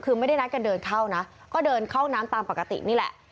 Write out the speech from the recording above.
คือไม่ได้นัดกันเดินเข้านะก็เดินเข้าน้ำตามปกตินี่แหละ